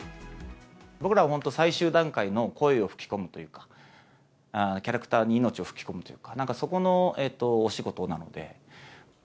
僕らは本当、最終段階の声を吹き込むというか、キャラクターに命を吹き込むというか、なんかそこのお仕事なので。